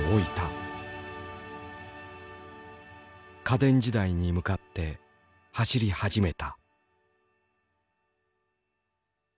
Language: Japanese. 家電時代に向かって走り始めた。